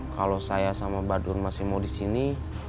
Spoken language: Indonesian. kalau saya sama badun masih mau di sini